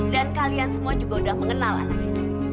dan kalian semua juga udah mengenal anaknya